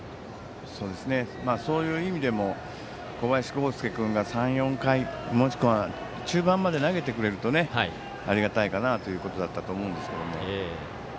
そういう意味でも小林剛介君が３４回もしくは中盤まで投げてくれるとありがたいかなということだったと思うんですけど。